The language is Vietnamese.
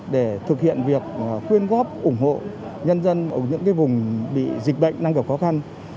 để thực hiện việc quyên góp ủng hộ nhân dân ở những vùng bị dịch bệnh đang gặp khó khăn